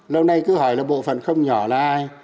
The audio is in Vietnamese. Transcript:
lâu nay cứ hỏi là bộ phận không nhỏ là ai